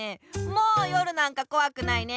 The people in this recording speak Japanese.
もう夜なんかこわくないね。